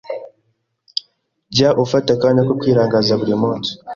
Jya ufata akanya ko kwirangaza buri munsi.